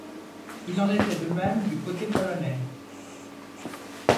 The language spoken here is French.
Il en était de même du côté polonais.